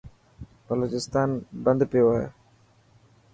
بلوچستان بند پيو هي.